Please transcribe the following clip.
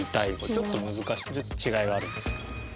ちょっと難しい違いがあるんですけど。